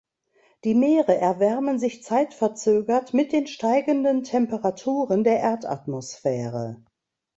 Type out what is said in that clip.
Die Meere erwärmen sich zeitverzögert mit den steigenden Temperaturen der Erdatmosphäre.